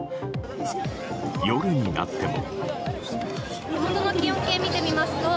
夜になっても。